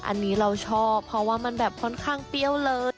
อันนี้เราชอบเพราะว่ามันแบบค่อนข้างเปรี้ยวเลิศ